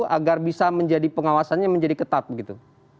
agar bisa menjadi pengawasannya menjadi ketat begitu